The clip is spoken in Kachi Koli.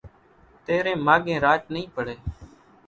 تيرين ماڳين راچ نئي پڙي